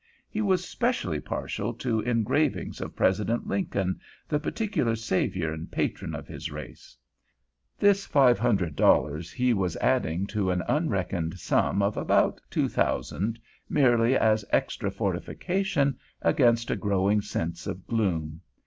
He was specially partial to engravings of President Lincoln, the particular savior and patron of his race. This five hundred dollars he was adding to an unreckoned sum of about two thousand, merely as extra fortification against a growing sense of gloom.